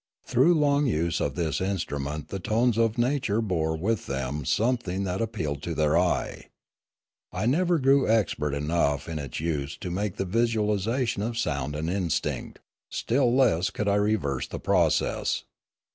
Through long use of this instrument the tones of nature bore with them something that ap pealed to their eye. I never grew expert enough in its use to make the visualisation of sound an instinct; still less could I reverse the process.